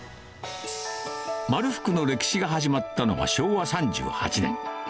丸福の歴史が始まったのは昭和３８年。